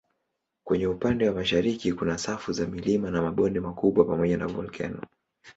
Kwenye upande wa mashariki kuna safu za milima na mabonde makubwa pamoja na volkeno.